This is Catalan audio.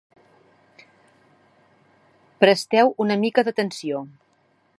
Presteu una mica d'atenció.